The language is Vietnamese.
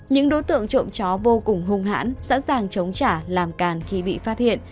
những đối tượng trộm chó vô cùng hung hãn sẵn sàng chống trả làm càn khi bị phát hiện